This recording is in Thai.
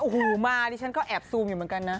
โอ้โหมาดิฉันก็แอบซูมอยู่เหมือนกันนะ